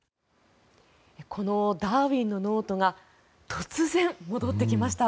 このダーウィンのノートが突然、戻ってきました。